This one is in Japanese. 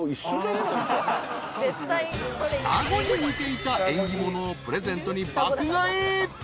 ［双子に似ていた縁起物をプレゼントに爆買い］